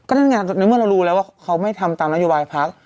นั่นไงในเมื่อเรารู้แล้วว่าเขาไม่ทำตามนโยบายพัก